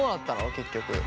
結局。